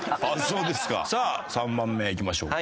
さあ３番目いきましょうか。